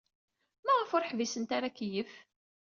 Maɣef ur ḥbisent ra akeyyef?